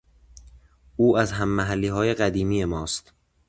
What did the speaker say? او از هممحلیهای قدیمی ماست